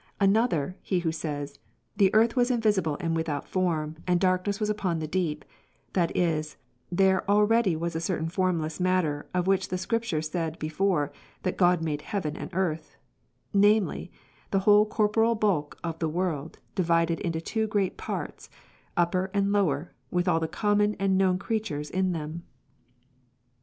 ^' Another he who says. The earth was invisible and without form, and darkness ivas upon the deep ; that is, " there already was a certain formless matter, of which the Scripture said before, that God made heaven and earth ; namely, the whole corporeal bulk of the world, divided into two great parts, upper and lower, witli all the common and known creatures in them."